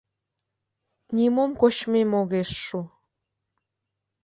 Нимом кочмем огеш шу.